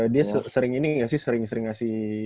dia sering ini gak sih sering sering ngasih